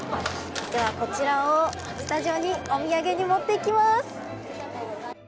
では、こちらをスタジオにお土産に持っていきます。